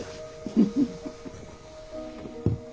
フフフ。